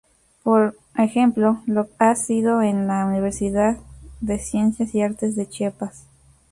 Por ejemplo lo ha sido en la "Universidad de Ciencias y Artes de Chiapas".